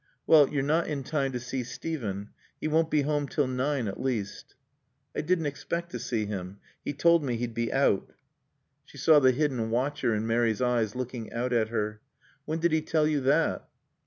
"Well, you're not in time to see Steven. He won't be home till nine at least." "I didn't expect to see him. He told me he'd be out." She saw the hidden watcher in Mary's eyes looking out at her. "When did he tell you that?"